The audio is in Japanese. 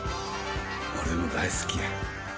俺も大好きや。